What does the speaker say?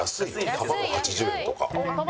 玉子８０円とか。